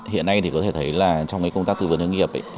hiện nay thì có thể thấy là trong công tác tư vấn hướng nghiệp